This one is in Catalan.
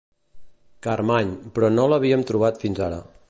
Carmany— però no l'havíem trobat fins ara.